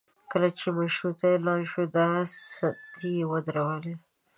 کله چې مشروطه اعلان شوه دا ستنې یې ودرولې.